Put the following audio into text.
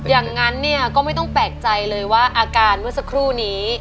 อย่างนั้นเนี่ยก็ไม่ต้องแปลกใจเลยว่าอาการเมื่อสักครู่นี้